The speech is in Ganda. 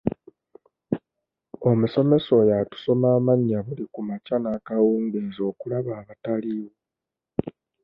Omusomesa oyo atusoma amannya buli ku makya n'ekawungeezi okulaba abataliiwo.